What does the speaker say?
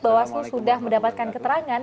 bahwasu sudah mendapatkan keterangan